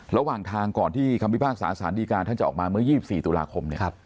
ระหว่างทางก่อนที่คำพิพากษาสารดีการท่านจะออกมาเมื่อ๒๔ตุลาคม